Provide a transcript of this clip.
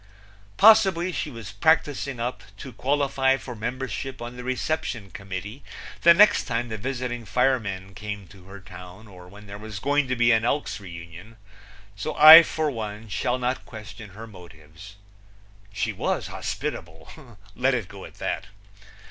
Possibly she was practicing up to qualify for membership on the reception committee the next time the visiting firemen came to her town or when there was going to be an Elks' reunion; so I for one shall not question her motives. She was hospitable let it go at that.